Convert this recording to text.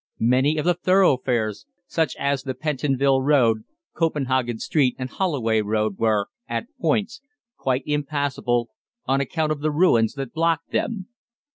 Many of the thoroughfares, such as the Pentonville Road, Copenhagen Street, and Holloway Road, were, at points, quite impassable on account of the ruins that blocked them.